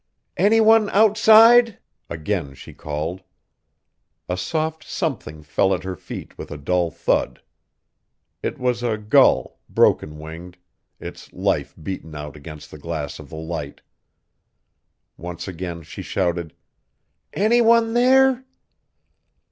"Any one outside?" Again she called. A soft something fell at her feet with a dull thud. It was a gull, broken winged, its life beaten out against the glass of the Light! Once again she shouted, "Any one there?"